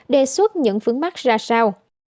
đề xuất những phướng mắt ra sao